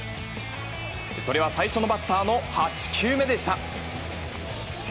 それは最初のバッターの８球目でした。